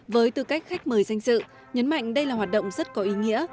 với tư cách khách mời danh dự nhấn mạnh đây là hoạt động rất có ý nghĩa